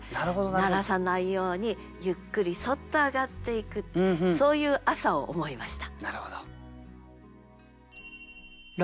鳴らさないようにゆっくりそっと上がっていくってそういう朝を思いました。